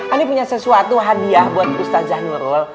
ani punya sesuatu hadiah buat ustazah nurul